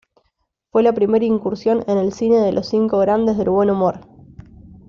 Fue la primera incursión en el cine de Los Cinco Grandes del Buen Humor.